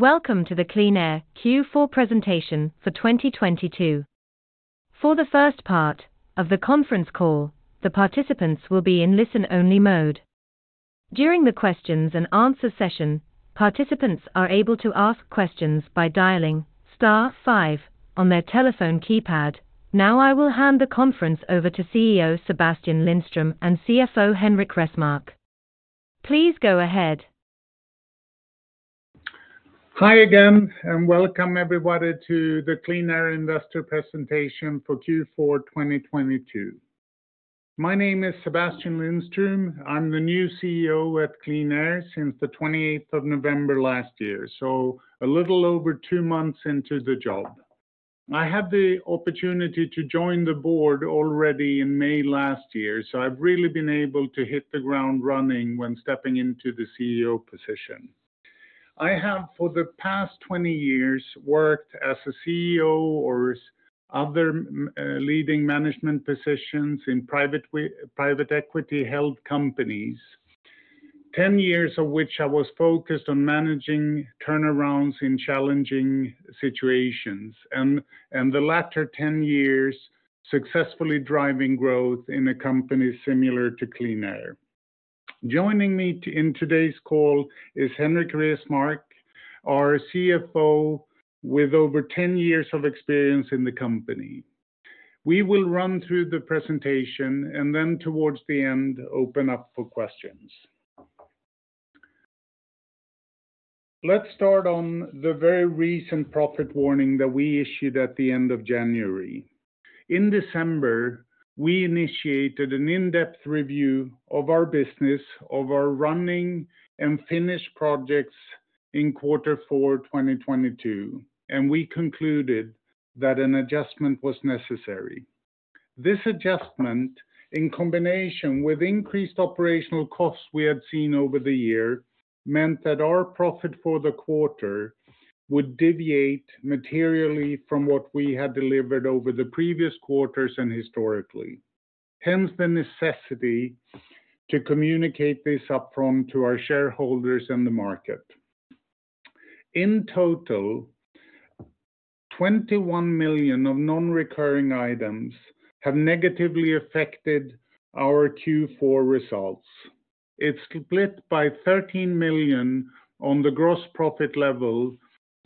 Welcome to the QleanAir Q4 Presentation for 2022. For the first part of the conference call, the participants will be in listen only mode. During the questions and answer session, participants are able to ask questions by dialing star five on their telephone keypad. I will hand the conference over to CEO Sebastian Lindström and CFO Henrik Resmark. Please go ahead. Hi again and welcome everybody to the QleanAir investor presentation for Q4 2022. My name is Sebastian Lindström. I'm the new CEO at QleanAir since the 28th of November last year, so a little over two months into the job. I had the opportunity to join the board already in May last year, so I've really been able to hit the ground running when stepping into the CEO position. I have for the past 20 years worked as a CEO or other leading management positions in private equity held companies. 10 years of which I was focused on managing turnarounds in challenging situations and the latter 10 years successfully driving growth in a company similar to QleanAir. Joining me in today's call is Henrik Resmark, our CFO with over 10 years of experience in the company. We will run through the presentation and then towards the end, open up for questions. Let's start on the very recent profit warning that we issued at the end of January. In December, we initiated an in-depth review of our business, of our running and finished projects in Q4 2022. We concluded that an adjustment was necessary. This adjustment, in combination with increased operational costs we had seen over the year, meant that our profit for the quarter would deviate materially from what we had delivered over the previous quarters and historically, hence the necessity to communicate this up front to our shareholders and the market. In total, 21 million of non-recurring items have negatively affected our Q4 results. It's split by 13 million on the gross profit level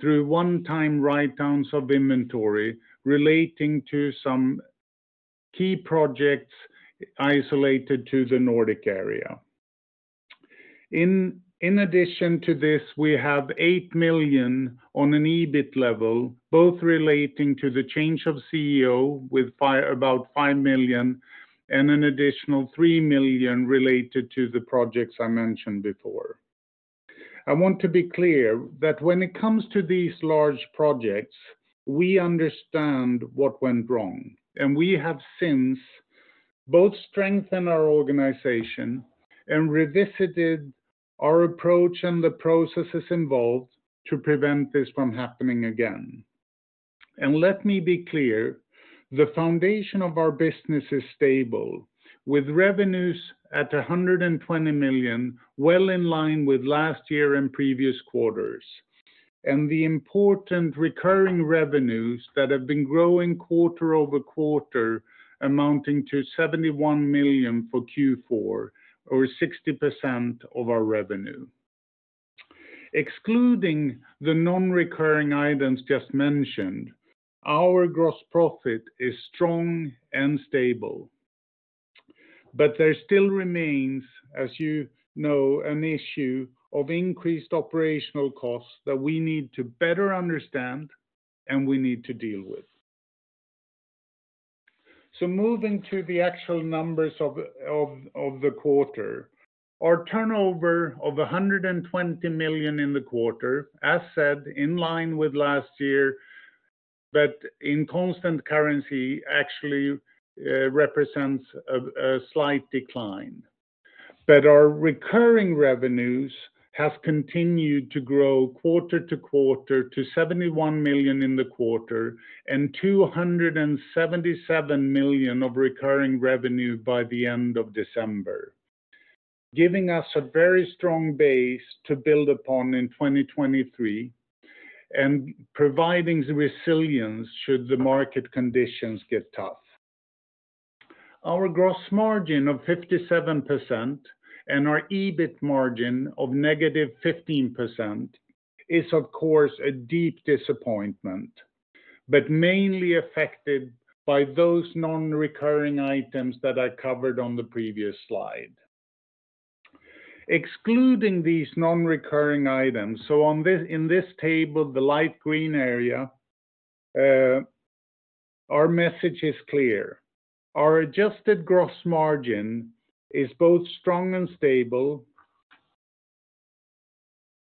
through one-time write-downs of inventory relating to some key projects isolated to the Nordic area. In addition to this, we have 8 million on an EBIT level, both relating to the change of CEO with about 5 million and an additional 3 million related to the projects I mentioned before. I want to be clear that when it comes to these large projects, we understand what went wrong, and we have since both strengthened our organization and revisited our approach and the processes involved to prevent this from happening again. Let me be clear, the foundation of our business is stable with revenues at 120 million, well in line with last year and previous quarters, and the important recurring revenues that have been growing quarter-over-quarter amounting to 71 million for Q4 or 60% of our revenue. Excluding the non-recurring items just mentioned, our gross profit is strong and stable, there still remains, as you know, an issue of increased operational costs that we need to better understand and we need to deal with. Moving to the actual numbers of the quarter. Our turnover of 120 million in the quarter, as said, in line with last year, but in constant currency actually represents a slight decline. Our recurring revenues have continued to grow quarter-to-quarter to 71 million in the quarter and 277 million of recurring revenue by the end of December, giving us a very strong base to build upon in 2023 and providing the resilience should the market conditions get tough. Our gross margin of 57% and our EBIT margin of -15% is of course a deep disappointment, mainly affected by those non-recurring items that I covered on the previous slide. Excluding these non-recurring items, in this table, the light green area, our message is clear. Our adjusted gross margin is both strong and stable.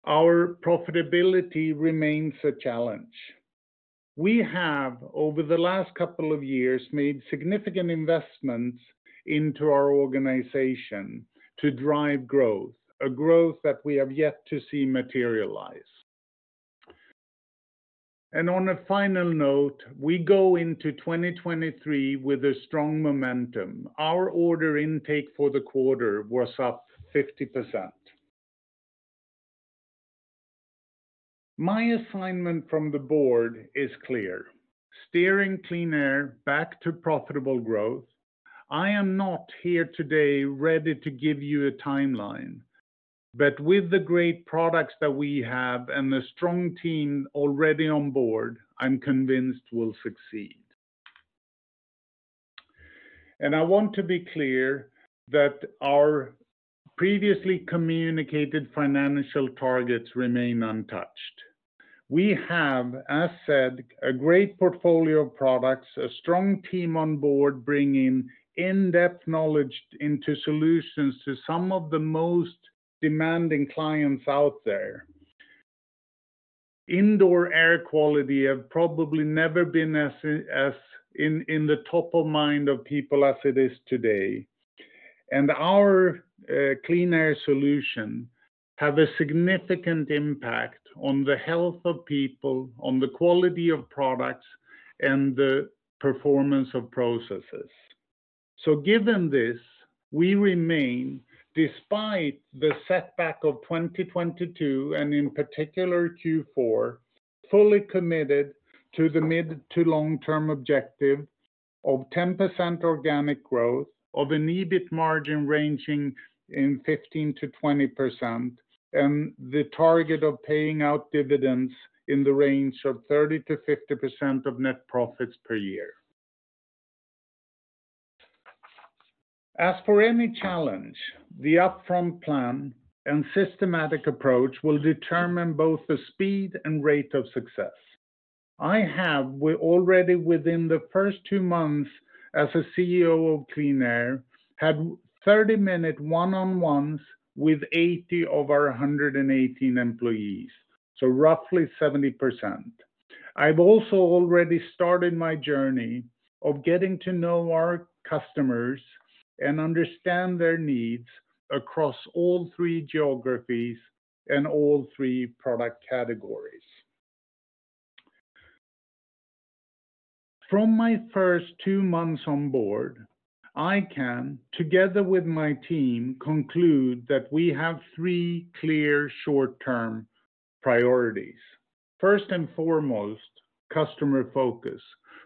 Our profitability remains a challenge. We have over the last couple of years made significant investments into our organization to drive growth, a growth that we have yet to see materialize. On a final note, we go into 2023 with a strong momentum. Our order intake for the quarter was up 50%. My assignment from the board is clear: steering QleanAir back to profitable growth. I am not here today ready to give you a timeline. With the great products that we have and the strong team already on board, I'm convinced we'll succeed. I want to be clear that our previously communicated financial targets remain untouched. We have, as said, a great portfolio of products, a strong team on board bringing in-depth knowledge into solutions to some of the most demanding clients out there. Indoor air quality have probably never been as in the top of mind of people as it is today. Our QleanAir solution have a significant impact on the health of people, on the quality of products, and the performance of processes. Given this, we remain, despite the setback of 2022, and in particular Q4, fully committed to the mid to long-term objective of 10% organic growth, of an EBIT margin ranging in 15%-20%, and the target of paying out dividends in the range of 30%-50% of net profits per year. For any challenge, the upfront plan and systematic approach will determine both the speed and rate of success. We already within the first two months as a CEO of QleanAir, had 30-minute one-on-ones with 80 of our 118 employees, so roughly 70%. I've also already started my journey of getting to know our customers and understand their needs across all three geographies and all three product categories. From my first two months on board, I can, together with my team, conclude that we have three clear short-term priorities. First and foremost, customer focus.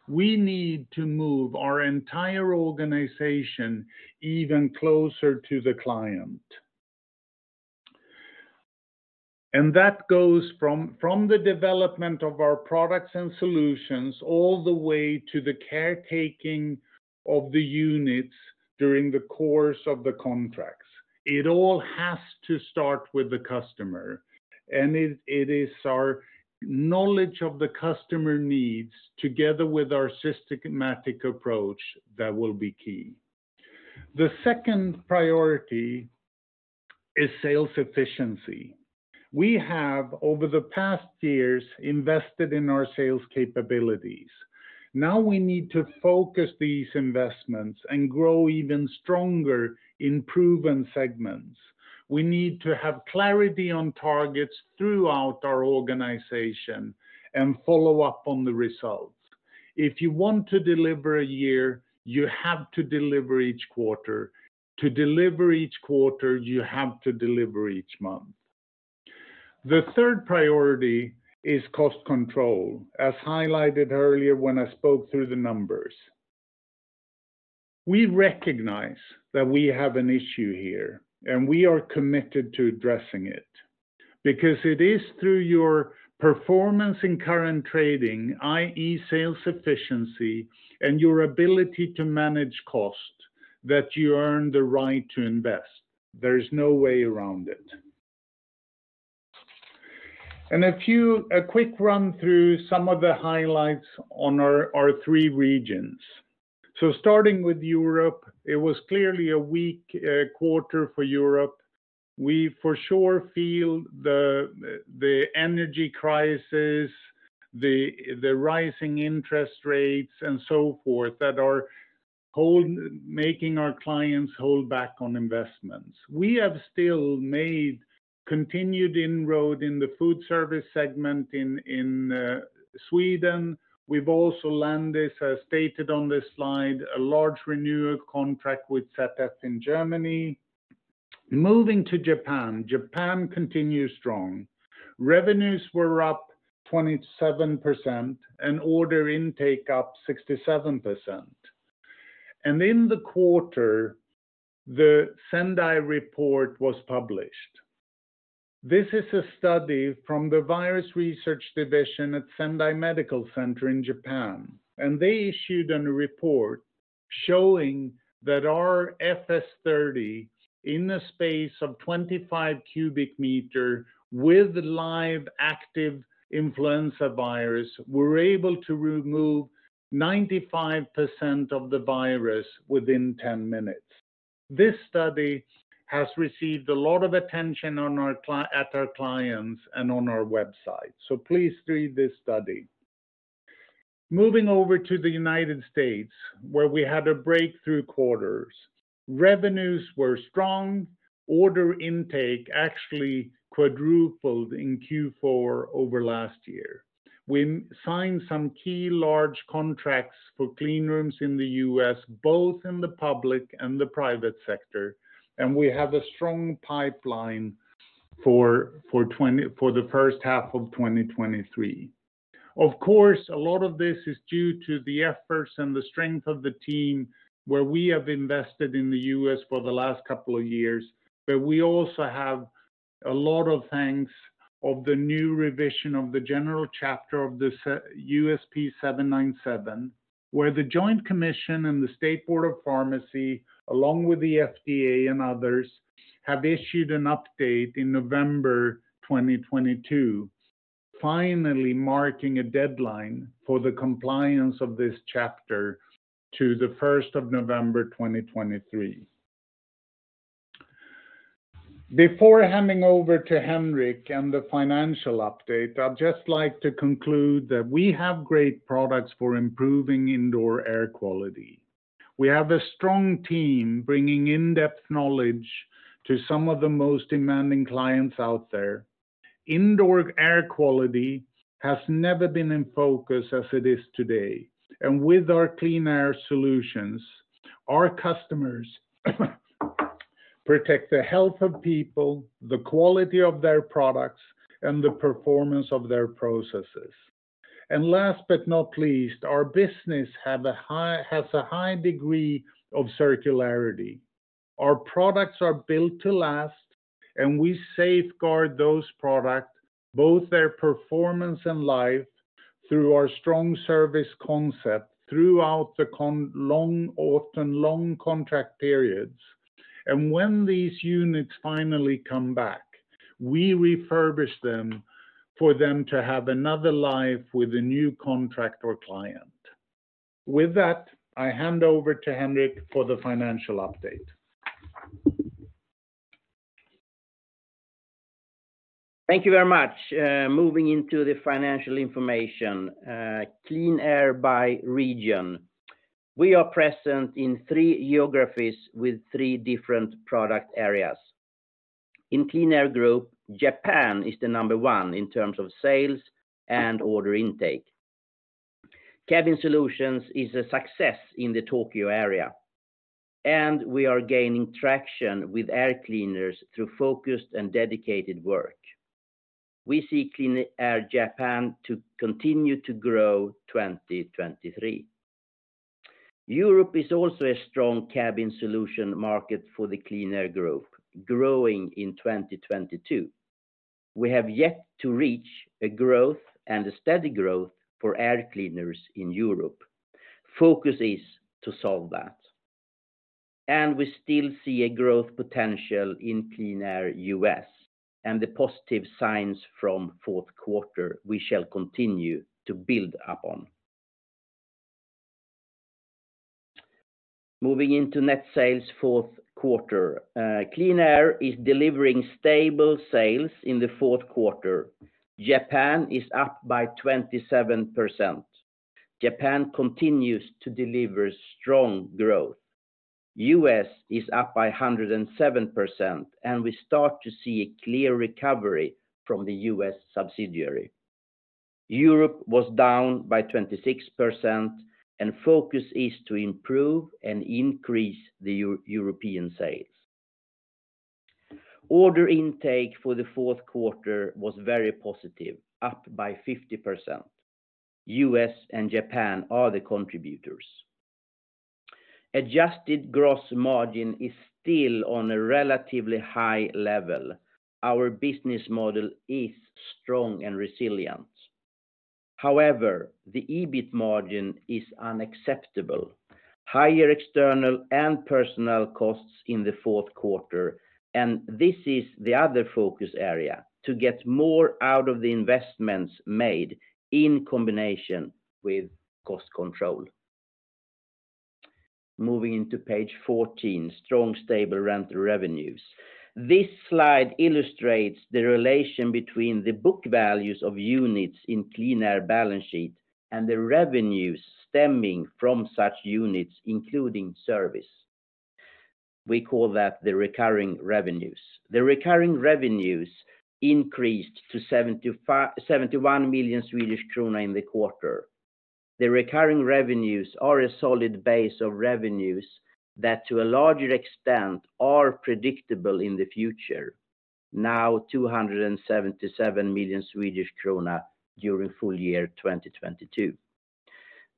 We need to move our entire organization even closer to the client. That goes from the development of our products and solutions all the way to the caretaking of the units during the course of the contracts. It all has to start with the customer, it is our knowledge of the customer needs together with our systematic approach that will be key. The second priority is sales efficiency. We have, over the past years, invested in our sales capabilities. Now we need to focus these investments and grow even stronger in proven segments. We need to have clarity on targets throughout our organization and follow up on the results. If you want to deliver a year, you have to deliver each quarter. To deliver each quarter, you have to deliver each month. The third priority is cost control, as highlighted earlier when I spoke through the numbers. We recognize that we have an issue here, and we are committed to addressing it, because it is through your performance in current trading, i.e., sales efficiency, and your ability to manage cost, that you earn the right to invest. There is no way around it. A quick run through some of the highlights on our three regions. Starting with Europe, it was clearly a weak quarter for Europe. We for sure feel the energy crisis, the rising interest rates, and so forth, that are making our clients hold back on investments. We have still made continued inroads in the food service segment in Sweden. We've also landed, as stated on this slide, a large renewal contract with ZF in Germany. Moving to Japan continues strong. Revenues were up 27% and order intake up 67%. In the quarter, the Sendai report was published. This is a study from the Virus Research Center, Clinical Research Division at Sendai Medical Center in Japan, and they issued a report showing that our FS 30 in the space of 25 cubic meters with live active influenza virus, were able to remove 95% of the virus within 10 minutes. This study has received a lot of attention at our clients and on our website. Please read this study. Moving over to the U.S., where we had a breakthrough quarters. Revenues were strong. Order intake actually quadrupled in Q4 over last year. We signed some key large contracts for Cleanrooms in the US, both in the public and the private sector, and we have a strong pipeline for the first half of 2023. Of course, a lot of this is due to the efforts and the strength of the team where we have invested in the US for the last couple of years. We also have a lot of things of the new revision of the general chapter of the USP <797>, where The Joint Commission and the State Board of Pharmacy, along with the FDA and others, have issued an update in November 2022, finally marking a deadline for the compliance of this chapter to the first of November 2023. Before handing over to Henrik and the financial update, I'd just like to conclude that we have great products for improving indoor air quality. We have a strong team bringing in-depth knowledge to some of the most demanding clients out there. Indoor air quality has never been in focus as it is today. With our clean air solutions, our customers protect the health of people, the quality of their products, and the performance of their processes. Last but not least, our business has a high degree of circularity. Our products are built to last, and we safeguard those products, both their performance and life, through our strong service concept throughout the long, often long contract periods. When these units finally come back, we refurbish them for them to have another life with a new contract or client. With that, I hand over to Henrik for the financial update. Thank you very much. Moving into the financial information, QleanAir by region. We are present in three geographies with three different product areas. In QleanAir, Japan is the number one in terms of sales and order intake. Cabin Solutions is a success in the Tokyo area, and we are gaining traction with Air Cleaners through focused and dedicated work. We see QleanAir Japan to continue to grow 2023. Europe is also a strong Cabin Solutions market for QleanAir, growing in 2022. We have yet to reach a growth and a steady growth for Air Cleaners in Europe. Focus is to solve that. We still see a growth potential in QleanAir US, and the positive signs from fourth quarter we shall continue to build upon. Moving into net sales fourth quarter. QleanAir is delivering stable sales in the fourth quarter. Japan is up by 27%. Japan continues to deliver strong growth. US is up by 107%. We start to see a clear recovery from the US subsidiary. Europe was down by 26%. Focus is to improve and increase the European sales. Order intake for the fourth quarter was very positive, up by 50%. US and Japan are the contributors. Adjusted gross margin is still on a relatively high level. Our business model is strong and resilient. However, the EBIT margin is unacceptable. Higher external and personnel costs in the fourth quarter. This is the other focus area, to get more out of the investments made in combination with cost control. Moving into page 14, strong stable rental revenues. This slide illustrates the relation between the book values of units in QleanAir balance sheet and the revenues stemming from such units, including service. We call that the recurring revenues. The recurring revenues increased to 71 million Swedish krona in the quarter. The recurring revenues are a solid base of revenues that to a larger extent are predictable in the future. Now 277 million Swedish krona during full year 2022.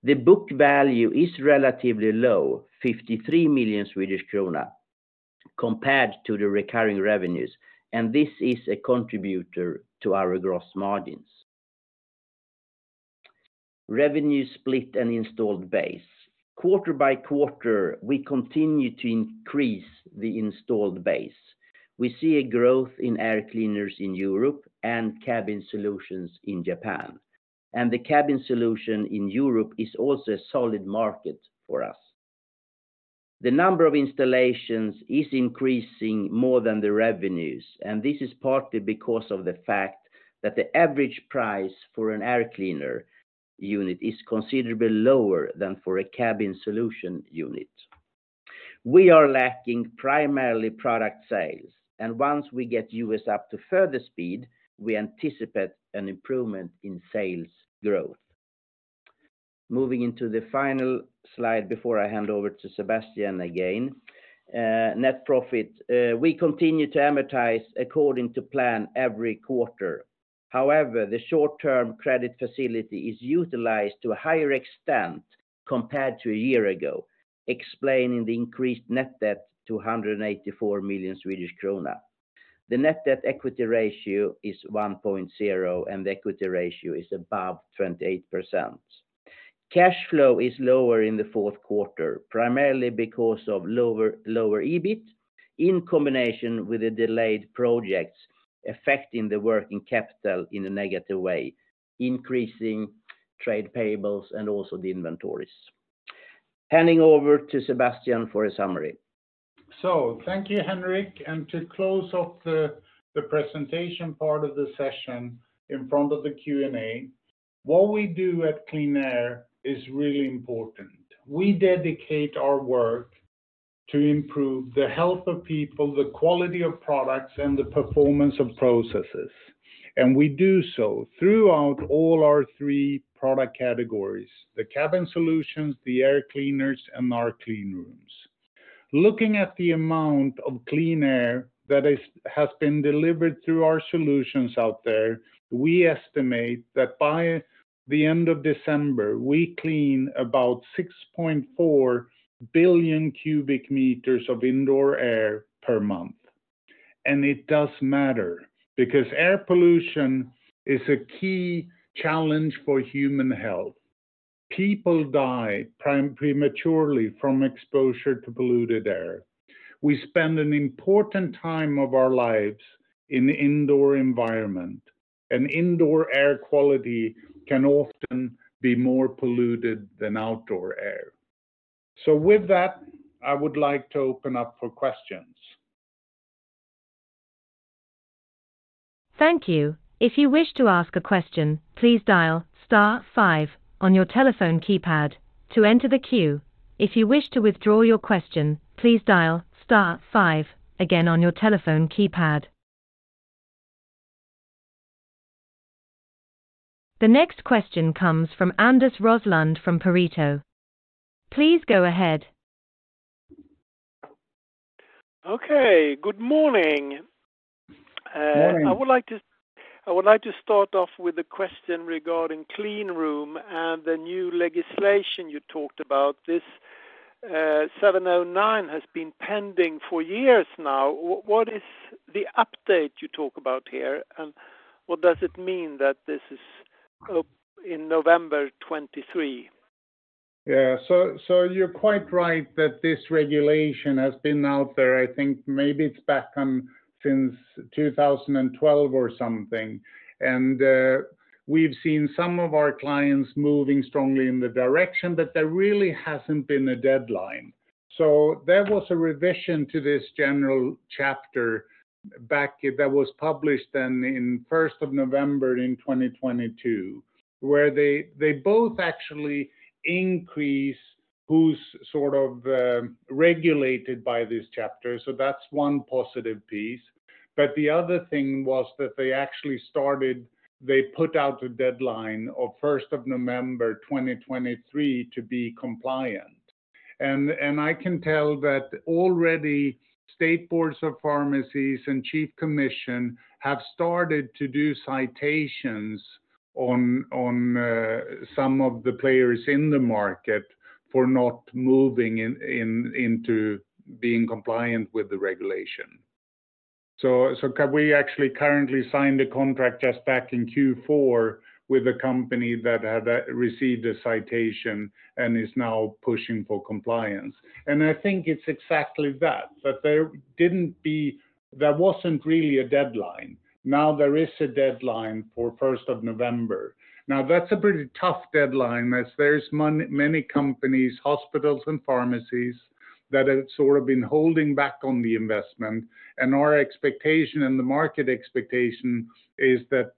The book value is relatively low, 53 million Swedish krona, compared to the recurring revenues, and this is a contributor to our gross margins. Revenue split and installed base. Quarter by quarter, we continue to increase the installed base. We see a growth in Air Cleaners in Europe and Cabin Solutions in Japan. The cabin solution in Europe is also a solid market for us. The number of installations is increasing more than the revenues, and this is partly because of the fact that the average price for an air cleaner unit is considerably lower than for a cabin solution unit. We are lacking primarily product sales, and once we get US up to further speed, we anticipate an improvement in sales growth. Moving into the final slide before I hand over to Sebastian again. Net profit. We continue to amortize according to plan every quarter. However, the short-term credit facility is utilized to a higher extent compared to a year ago, explaining the increased net debt to 184 million Swedish krona. The net debt equity ratio is 1.0, and the equity ratio is above 28%. Cash flow is lower in the fourth quarter, primarily because of lower EBIT in combination with the delayed projects affecting the working capital in a negative way, increasing trade payables and also the inventories. Handing over to Sebastian for a summary. Thank you, Henrik. To close off the presentation part of the session in front of the Q&A, what we do at QleanAir is really important. We dedicate our work to improve the health of people, the quality of products, and the performance of processes, and we do so throughout all our three product categories: the Cabin Solutions, the Air Cleaners, and our Cleanrooms. Looking at the amount of clean air that has been delivered through our solutions out there, we estimate that by the end of December, we clean about 6.4 billion cubic meters of indoor air per month. It does matter because air pollution is a key challenge for human health. People die prematurely from exposure to polluted air. We spend an important time of our lives in indoor environment, and indoor air quality can often be more polluted than outdoor air. With that, I would like to open up for questions. Thank you. If you wish to ask a question, please dial star five on your telephone keypad to enter the queue. If you wish to withdraw your question, please dial star five again on your telephone keypad. The next question comes from Anders Roslund from Pareto. Please go ahead. Okay. Good morning. Morning. I would like to start off with a question regarding Cleanroom and the new legislation you talked about. This USP <797> has been pending for years now. What is the update you talk about here, and what does it mean that this is up in November 2023? Yeah. You're quite right that this regulation has been out there, I think maybe it's back on since 2012 or something. We've seen some of our clients moving strongly in the direction, but there really hasn't been a deadline. There was a revision to this general chapter back that was published then in first of November in 2022, where they both actually increase who's sort of regulated by this chapter, that's one positive piece. The other thing was that they actually put out a deadline of first of November 2023 to be compliant. I can tell that already State Boards of Pharmacy and Joint Commission have started to do citations on some of the players in the market for not moving into being compliant with the regulation. We actually currently signed a contract just back in Q4 with a company that had received a citation and is now pushing for compliance. I think it's exactly that there wasn't really a deadline. There is a deadline for first of November. That's a pretty tough deadline as there's many companies, hospitals and pharmacies, that have sort of been holding back on the investment. Our expectation and the market expectation is that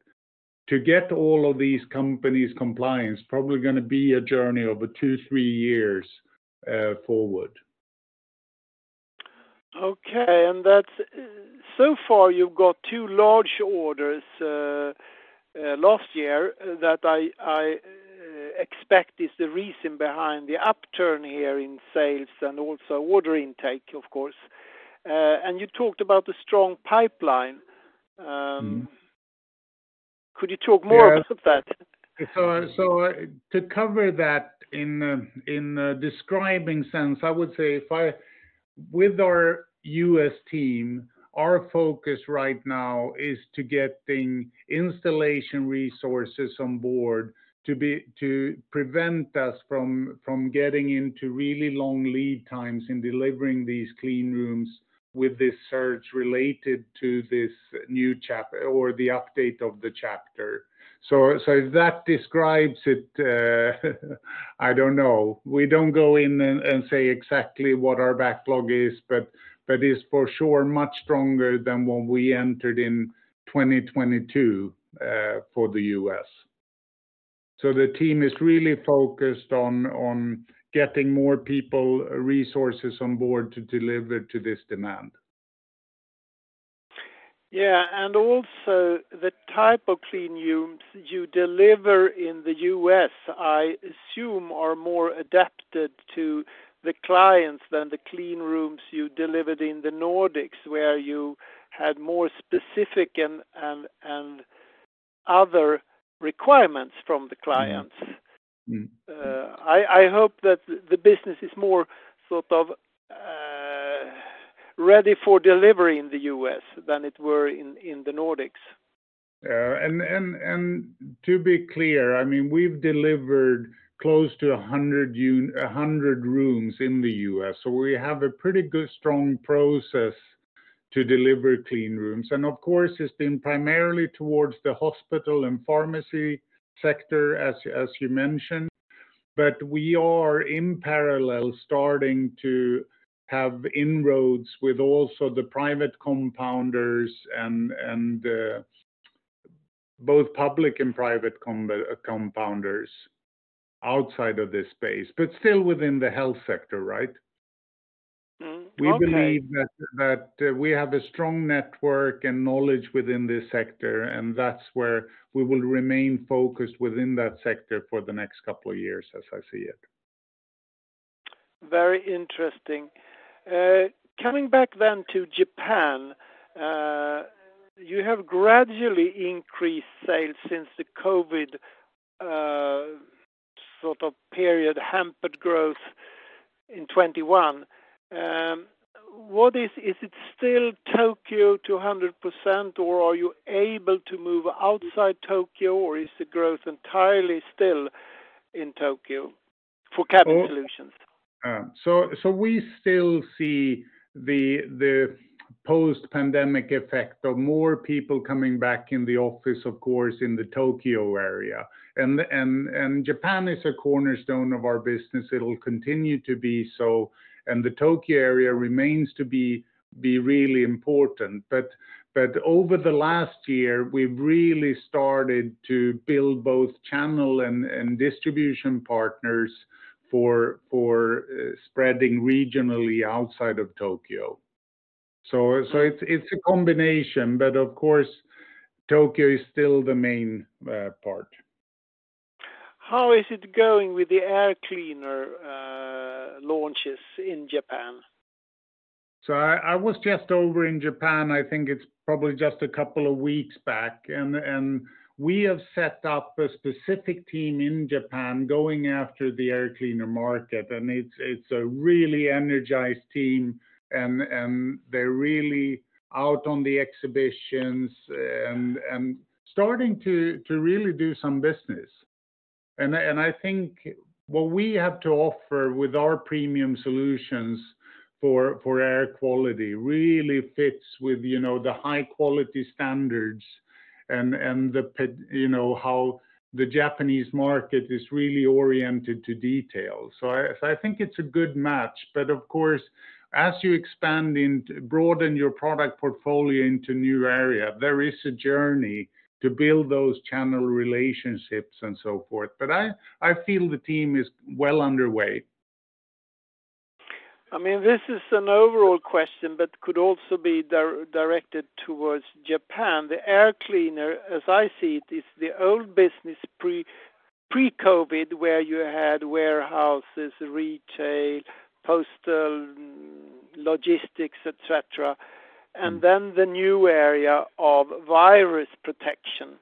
to get all of these companies compliant is probably gonna be a journey over two, three years forward. Okay. So far you've got two large orders last year that I expect is the reason behind the upturn here in sales and also order intake of course. You talked about the strong pipeline. Mm-hmm. Could you talk more about that? Yeah. To cover that in a describing sense, I would say with our U.S. team, our focus right now is to getting installation resources on board to prevent us from getting into really long lead times in delivering these Cleanrooms with this search related to this new chapter or the update of the chapter. That describes it, I don't know. We don't go in and say exactly what our backlog is, but that is for sure much stronger than when we entered in 2022 for the U.S. The team is really focused on getting more people resources on board to deliver to this demand. Yeah. Also the type of Cleanrooms you deliver in the US, I assume, are more adapted to the clients than the Cleanrooms you delivered in the Nordics, where you had more specific and other requirements from the clients. Mm-hmm. Mm-hmm. I hope that the business is more sort of ready for delivery in the U.S. than it were in the Nordics. Yeah. To be clear, I mean, we've delivered close to 100 Cleanrooms in the U.S., so we have a pretty good strong process to deliver Cleanrooms. Of course, it's been primarily towards the hospital and pharmacy sector, as you mentioned. We are in parallel starting to have inroads with also the private compounders and both public and private compounders outside of this space, but still within the health sector, right? Mm-hmm. Okay. We believe that we have a strong network and knowledge within this sector, and that's where we will remain focused within that sector for the next couple of years as I see it. Very interesting. Coming back then to Japan, you have gradually increased sales since the COVID, sort of period hampered growth in 2021. Is it still Tokyo to a 100%, or are you able to move outside Tokyo, or is the growth entirely still in Tokyo for Cabin Solutions? We still see the post-pandemic effect of more people coming back in the office, of course, in the Tokyo area. Japan is a cornerstone of our business. It'll continue to be so, and the Tokyo area remains to be really important. Over the last year, we've really started to build both channel and distribution partners for spreading regionally outside of Tokyo. It's a combination, but of course, Tokyo is still the main part. How is it going with the Air Cleaner launches in Japan? I was just over in Japan. I think it's probably just a couple of weeks back, and we have set up a specific team in Japan going after the air cleaner market. It's a really energized team, and they're really out on the exhibitions and starting to really do some business. I think what we have to offer with our premium solutions for air quality really fits with, you know, the high quality standards and, you know, how the Japanese market is really oriented to detail. I think it's a good match. Of course, as you broaden your product portfolio into new area, there is a journey to build those channel relationships and so forth. I feel the team is well underway. I mean, this is an overall question, but could also be directed towards Japan. The air cleaner, as I see it, is the old business pre-COVID, where you had warehouses, retail, postal, logistics, et cetera. Mm-hmm. The new area of virus protection.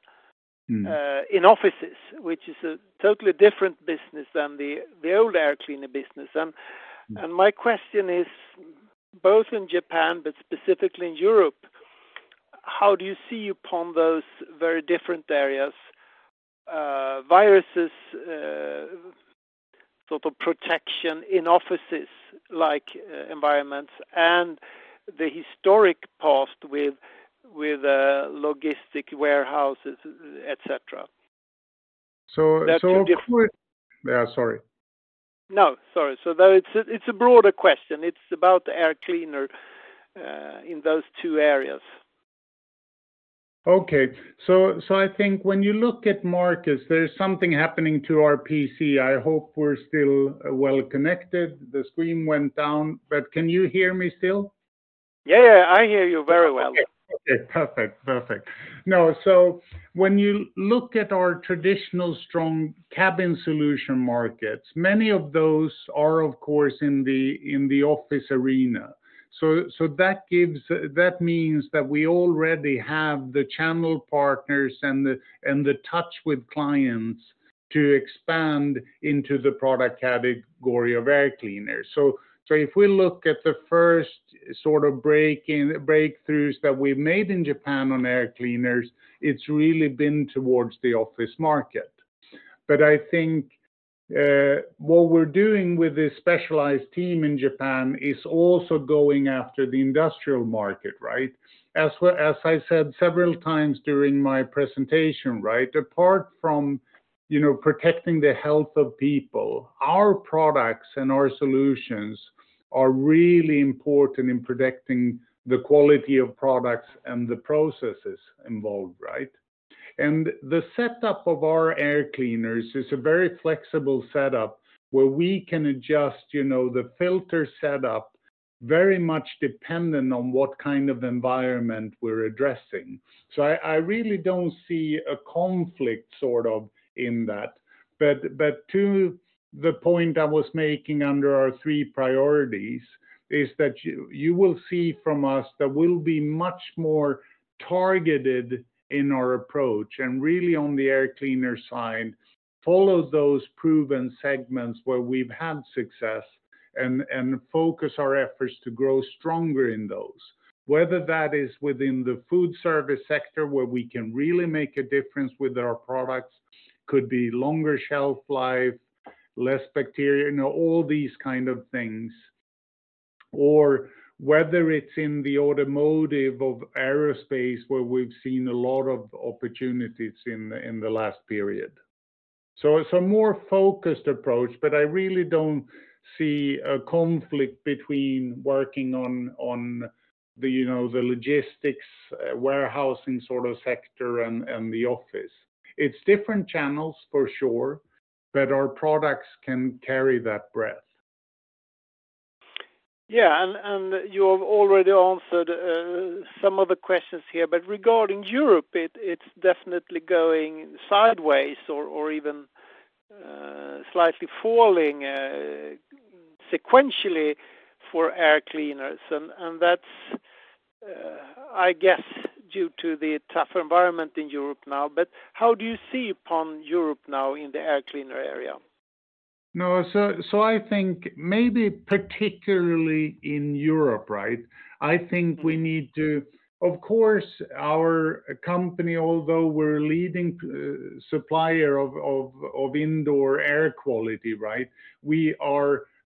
Mm-hmm... in offices, which is a totally different business than the old air cleaner business. Mm-hmm My question is, both in Japan, but specifically in Europe, how do you see upon those very different areas, viruses, sort of protection in offices like environments and the historic past with logistic warehouses, et cetera? So, so- They're two different- Yeah, sorry. No, sorry. That it's a broader question. It's about air cleaner in those two areas. I think when you look at markets, there's something happening to our PC. I hope we're still well connected. The screen went down, but can you hear me still? Yeah, I hear you very well. Okay. Okay. Perfect. Perfect. When you look at our traditional strong Cabin Solutions markets, many of those are of course in the office arena. That means that we already have the channel partners and the touch with clients to expand into the product category of Air Cleaners. If we look at the first sort of breakthroughs that we've made in Japan on Air Cleaners, it's really been towards the office market. What we're doing with this specialized team in Japan is also going after the industrial market, right? As I said several times during my presentation, right? Apart from, you know, protecting the health of people, our products and our solutions are really important in protecting the quality of products and the processes involved, right? The setup of our Air Cleaners is a very flexible setup where we can adjust, you know, the filter setup very much dependent on what kind of environment we're addressing. I really don't see a conflict sort of in that. To the point I was making under our three priorities is that you will see from us that we'll be much more targeted in our approach and really on the Air Cleaner side follow those proven segments where we've had success and focus our efforts to grow stronger in those. Whether that is within the food service sector where we can really make a difference with our products, could be longer shelf life, less bacteria, you know, all these kind of things, or whether it's in the automotive of aerospace where we've seen a lot of opportunities in the last period. It's a more focused approach, but I really don't see a conflict between working on the, you know, the logistics, warehousing sort of sector and the office. Different channels for sure, but our products can carry that breadth. You have already answered some of the questions here, but regarding Europe, it's definitely going sideways or even slightly falling sequentially for Air Cleaners. That's, I guess, due to the tough environment in Europe now. How do you see upon Europe now in the Air Cleaner area? No. I think maybe particularly in Europe, right? I think we need to. Of course, our company, although we're a leading supplier of indoor air quality, right?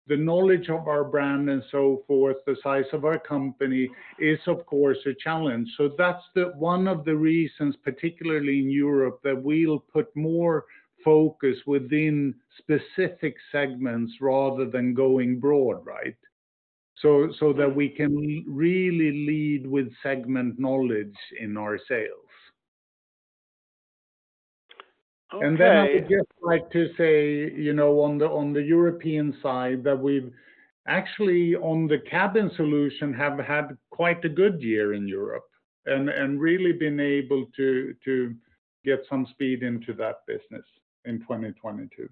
The knowledge of our brand and so forth, the size of our company is of course a challenge. That's the one of the reasons, particularly in Europe, that we'll put more focus within specific segments rather than going broad, right? That we can really lead with segment knowledge in our sales. Okay. I would just like to say, you know, on the European side, that we've actually on the Cabin Solutions have had quite a good year in Europe and really been able to get some speed into that business in 2022.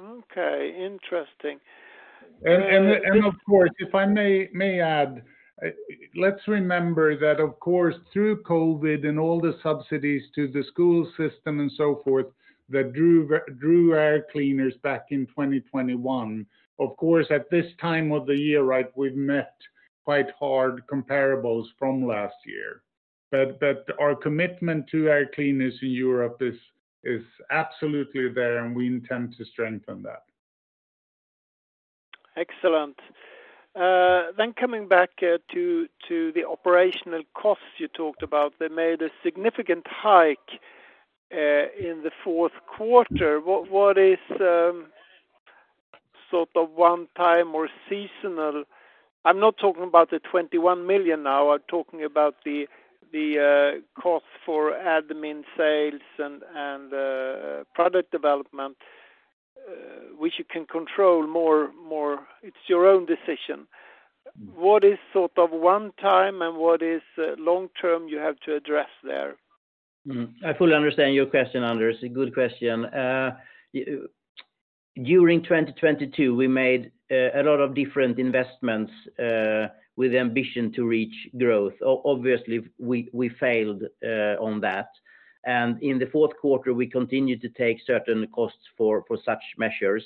Okay. Interesting. Of course, if I may add, let's remember that of course, through COVID and all the subsidies to the school system and so forth that drew air cleaners back in 2021, of course, at this time of the year, right, we've met quite hard comparables from last year. Our commitment to air cleaners in Europe is absolutely there, and we intend to strengthen that. Excellent. Uh, then coming back, uh, to, to the operational costs you talked about, they made a significant hike, uh, in the fourth quarter. What, what is, um, sort of one time or seasonal? I'm not talking about the twenty-one million now. I'm talking about the, the, uh, cost for admin sales and, and, uh, product development, uh, which you can control more, more. It's your own decision. What is sort of one time, and what is, uh, long-term you have to address there? I fully understand your question, Anders. A good question. During 2022, we made a lot of different investments with ambition to reach growth. Obviously, we failed on that. In the fourth quarter, we continued to take certain costs for such measures,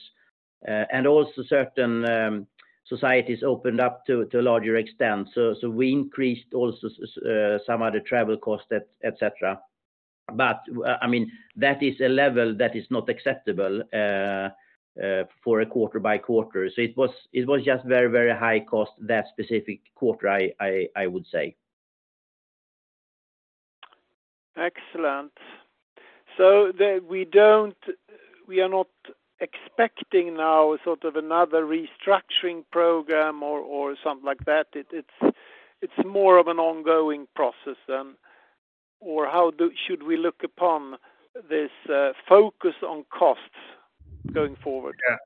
and also certain societies opened up to a larger extent. We increased also some of the travel costs et cetera. I mean, that is a level that is not acceptable for a quarter by quarter. It was just very high cost that specific quarter, I would say. Excellent. We are not expecting now sort of another restructuring program or something like that. It's more of an ongoing process than... How should we look upon this focus on costs going forward? Yeah.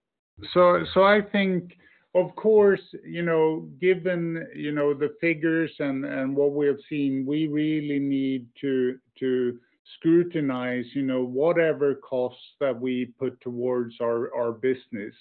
So I think of course, you know, given, you know, the figures and what we have seen, we really need to scrutinize, you know, whatever costs that we put towards our business.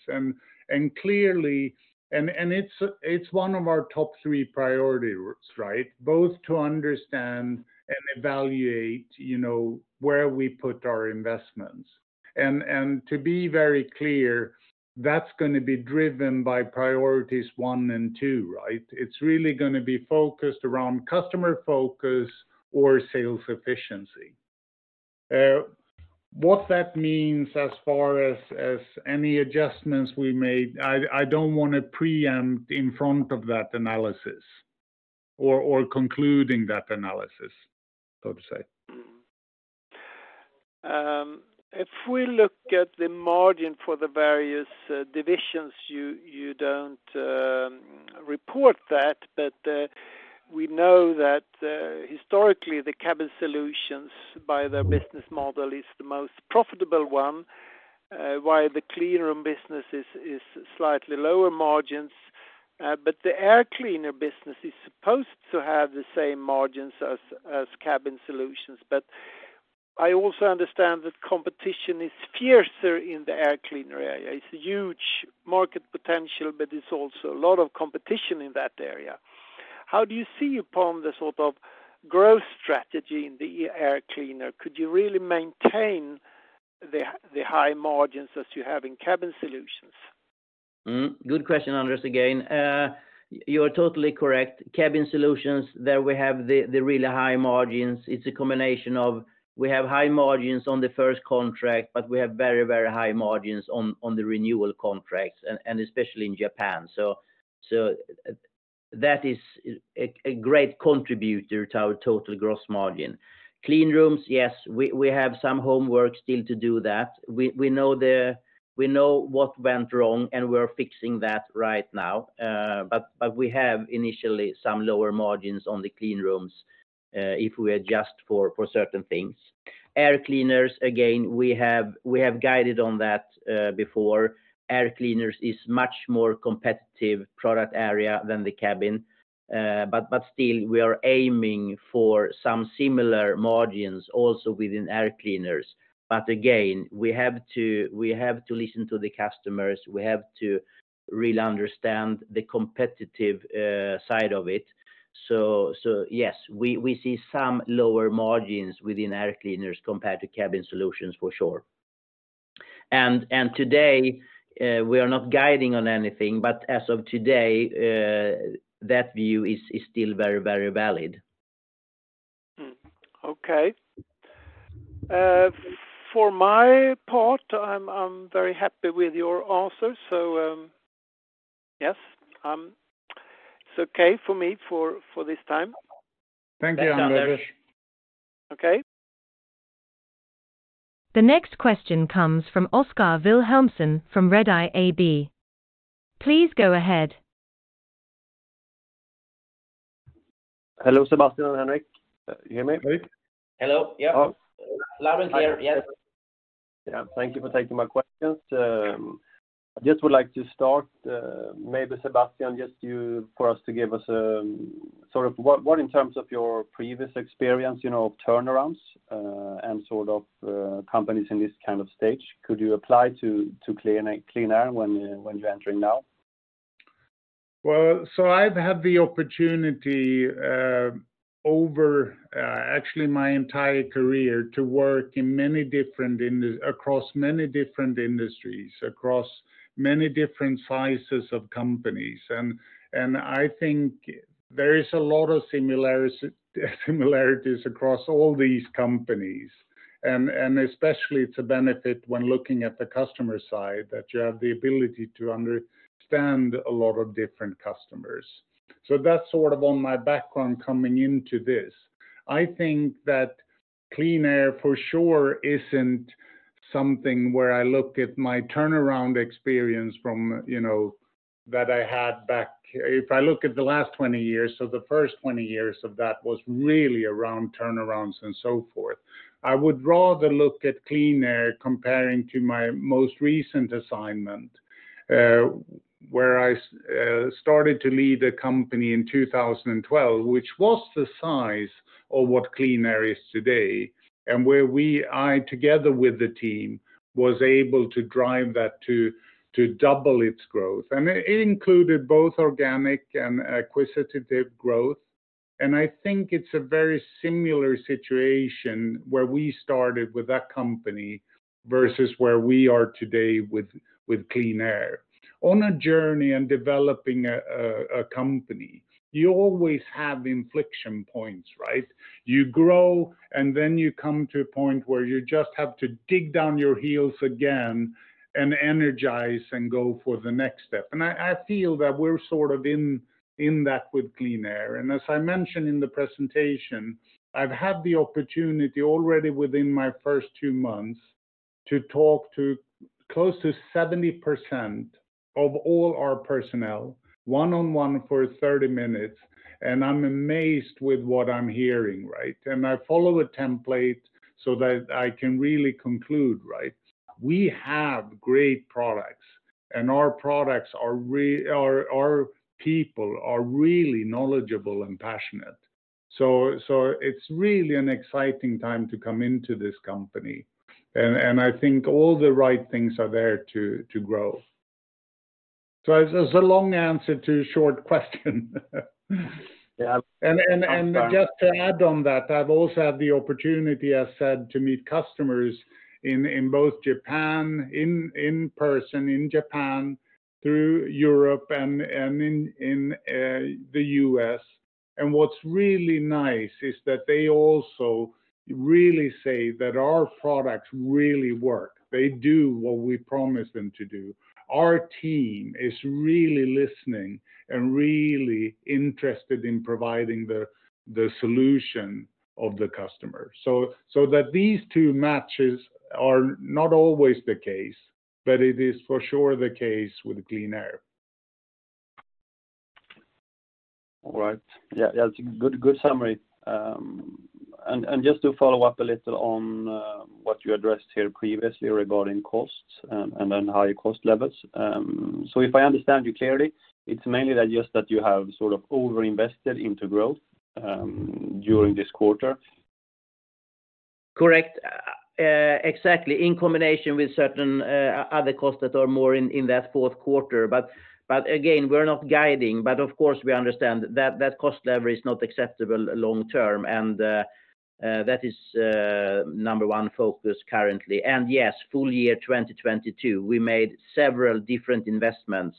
Clearly, and it's one of our top three priorities, right? Both to understand and evaluate, you know, where we put our investments. To be very clear, that's gonna be driven by priorities one and two, right? It's really gonna be focused around customer focus or sales efficiency. What that means as far as any adjustments we made, I don't wanna preempt in front of that analysis or concluding that analysis, so to say. If we look at the margin for the various divisions, you don't report that, but we know that historically, the Cabin Solutions by their business model is the most profitable one, while the Cleanrooms business is slightly lower margins. The Air Cleaners business is supposed to have the same margins as Cabin Solutions. I also understand that competition is fiercer in the Air Cleaners area. It's a huge market potential, but it's also a lot of competition in that area. How do you see upon the sort of growth strategy in the Air Cleaners? Could you really maintain the high margins as you have in Cabin Solutions? Good question, Anders, again. You are totally correct. Cabin Solutions, there we have the really high margins. It's a combination of we have high margins on the first contract, but we have very high margins on the renewal contracts and especially in Japan. That is a great contributor to our total gross margin. Cleanrooms, yes, we have some homework still to do that. We know what went wrong, we're fixing that right now. We have initially some lower margins on the Cleanrooms if we adjust for certain things. Air Cleaners, again, we have guided on that before. Air Cleaners is much more competitive product area than the Cabin. Still we are aiming for some similar margins also within Air Cleaners. Again, we have to listen to the customers. We have to really understand the competitive side of it. Yes, we see some lower margins within Air Cleaners compared to Cabin Solutions, for sure. Today, we are not guiding on anything, but as of today, that view is still very valid. Okay. For my part, I'm very happy with your answers, so yes, it's okay for me for this time. Thank you, Anders. Okay. The next question comes from Oskar Vilhelmsson from Redeye AB. Please go ahead. Hello, Sebastian and Henrik. You hear me? Mm-hmm. Hello? Yeah. Oh. Loud and clear, yes. Yeah. Thank you for taking my questions. Just would like to start, maybe Sebastian, just you for us to give us, sort of what in terms of your previous experience, you know, of turnarounds, and sort of, companies in this kind of stage could you apply to QleanAir when you're entering now? I've had the opportunity, actually my entire career to work in many different industries, across many different sizes of companies. I think there is a lot of similarities across all these companies. Especially it's a benefit when looking at the customer side that you have the ability to understand a lot of different customers. That's sort of on my background coming into this. I think that QleanAir for sure isn't something where I look at my turnaround experience from, you know, that I had back. If I look at the last 20 years, the first 20 years of that was really around turnarounds and so forth. I would rather look at QleanAir comparing to my most recent assignment, where I started to lead a company in 2012, which was the size of what QleanAir is today, and where we, I together with the team, was able to drive that to double its growth. It included both organic and acquisitive growth, and I think it's a very similar situation where we started with that company versus where we are today with QleanAir. On a journey and developing a company, you always have infliction points, right? You grow, and then you come to a point where you just have to dig down your heels again and energize and go for the next step. I feel that we're sort of in that with QleanAir. As I mentioned in the presentation, I've had the opportunity already within my first 2 months to talk to close to 70% of all our personnel one-on-one for 30 minutes, and I'm amazed with what I'm hearing, right? I follow a template so that I can really conclude, right? We have great products, and our products are Our people are really knowledgeable and passionate. It's really an exciting time to come into this company. I think all the right things are there to grow. It's a long answer to a short question. Yeah. Just to add on that, I've also had the opportunity, as said, to meet customers in both Japan, in person in Japan, through Europe and in the US. What's really nice is that they also really say that our products really work. They do what we promise them to do. Our team is really listening and really interested in providing the solution of the customer. That these two matches are not always the case, but it is for sure the case with QleanAir. All right. Yeah, yeah, it's a good summary. Just to follow up a little on what you addressed here previously regarding costs and then higher cost levels. If I understand you clearly, it's mainly that just you have sort of overinvested into growth during this quarter? Correct. Exactly. In combination with certain other costs that are more in that fourth quarter. Again, we're not guiding, but of course, we understand that that cost level is not acceptable long term. That is number one focus currently. Yes, full year 2022, we made several different investments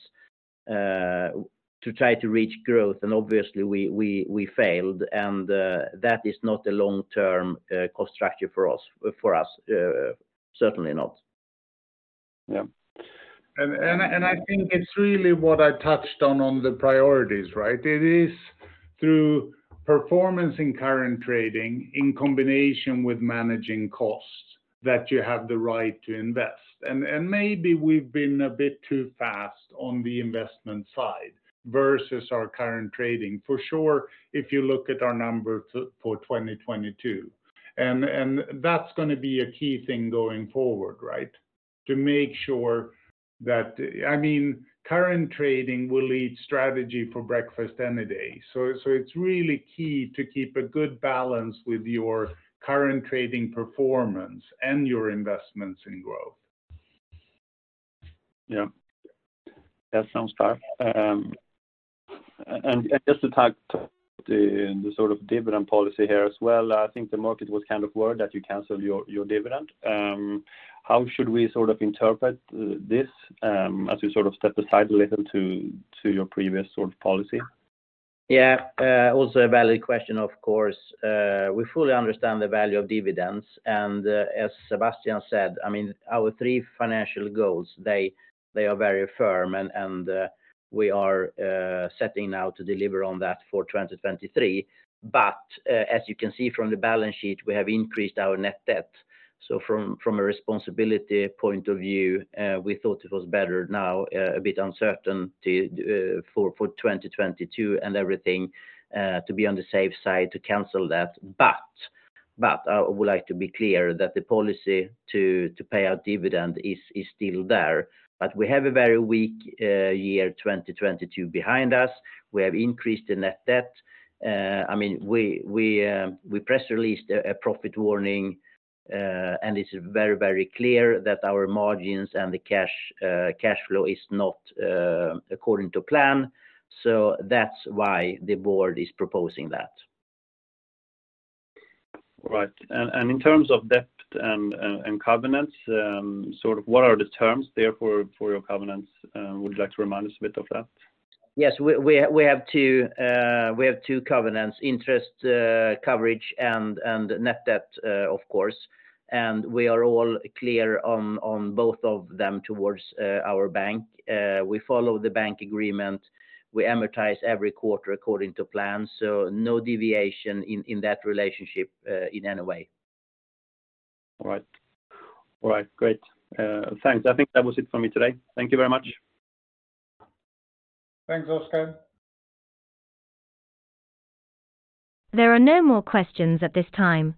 to try to reach growth, and obviously we failed. That is not a long-term cost structure for us, certainly not. Yeah. I think it's really what I touched on on the priorities, right? It is through performance in current trading in combination with managing costs that you have the right to invest. Maybe we've been a bit too fast on the investment side versus our current trading, for sure, if you look at our numbers for 2022. That's gonna be a key thing going forward, right? To make sure that, I mean, current trading will eat strategy for breakfast any day. It's really key to keep a good balance with your current trading performance and your investments in growth. Yeah. That sounds fair. Just to touch the sort of dividend policy here as well, I think the market was kind of worried that you canceled your dividend. How should we sort of interpret this as you sort of step aside a little to your previous sort of policy? Yeah, also a valid question, of course. We fully understand the value of dividends. As Sebastian said, I mean, our three financial goals, they are very firm, and we are setting now to deliver on that for 2023. As you can see from the balance sheet, we have increased our net debt. From a responsibility point of view, we thought it was better now, a bit uncertain to for 2022 and everything, to be on the safe side to cancel that. I would like to be clear that the policy to pay out dividend is still there. We have a very weak year 2022 behind us. We have increased the net debt. I mean, we press released a profit warning, it's very clear that our margins and the cash flow is not according to plan. That's why the board is proposing that. Right. In terms of debt and covenants, sort of what are the terms there for your covenants? Would you like to remind us a bit of that? Yes. We have two covenants: interest coverage and net debt, of course. We are all clear on both of them towards our bank. We follow the bank agreement. We amortize every quarter according to plan, no deviation in that relationship in any way. All right. Great. Thanks. I think that was it for me today. Thank you very much. Thanks, Oscar. There are no more questions at this time,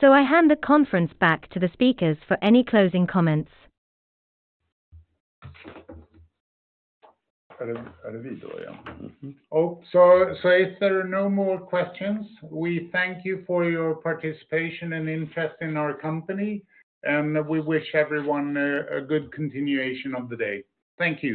so I hand the conference back to the speakers for any closing comments. If there are no more questions, we thank you for your participation and interest in our company, and we wish everyone a good continuation of the day. Thank you.